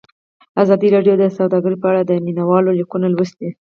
ازادي راډیو د سوداګري په اړه د مینه والو لیکونه لوستي.